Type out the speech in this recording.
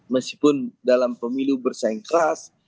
meskipun dalam pemilu bersaing keras